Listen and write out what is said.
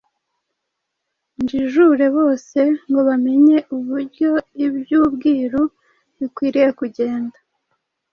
njijure bose ngo bamenye uburyo iby’ubwiru bikwiriye kugenda,